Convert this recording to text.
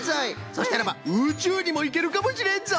そしたらば宇宙にもいけるかもしれんぞ！